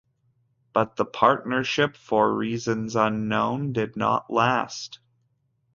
But the partnership, for reasons unknown, did not last.